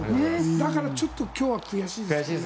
だからちょっと今日は悔しいです。